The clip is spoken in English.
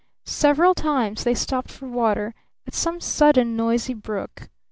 Several times they stopped for water at some sudden noisy brook.